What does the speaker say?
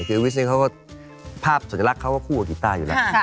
คือวิสนี่เขาก็ภาพสัญลักษณ์เขาก็คู่กับกีต้าอยู่แล้ว